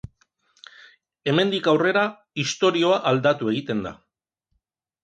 Hemendik aurrera, istorioa aldatu egiten da.